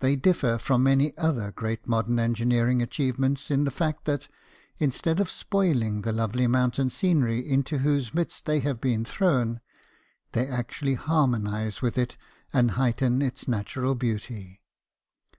They differ from many other great modern engineering achievements in the fact that, instead of spoiling the lovely mountain scenery into whose midst they have been thrown, they actually harmonize with it and heighten its natural beauty.